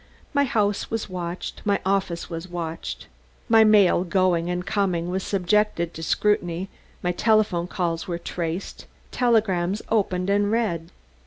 My house was watched; my office was watched. My mail going and coming, was subjected to scrutiny; my telephone calls were traced; telegrams opened and read.